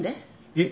えっ？